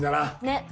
ねっ。